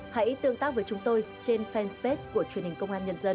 hãy tương tác với chúng tôi trên fanpage của truyền hình công an nhân dân